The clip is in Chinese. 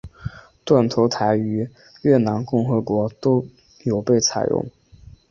断头台于越南共和国都有被采用。